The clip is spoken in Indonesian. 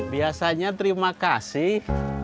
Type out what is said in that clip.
biasanya terima kasih